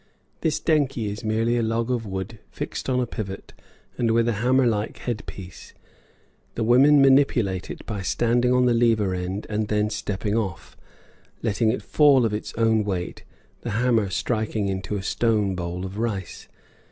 This denkhi is merely a log of wood fixed on a pivot and with a hammer like head piece. The women manipulate it by standing on the lever end and then stepping off, letting it fall of its own weight, the hammer striking into a stone bowl of rice.